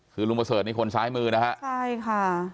คือลุงประเสริฐนี่คนซ้ายมือนะฮะใช่ค่ะ